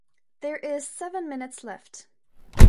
There is seven minutes left.